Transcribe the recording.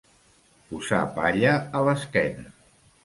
Posar palla a l'esquena.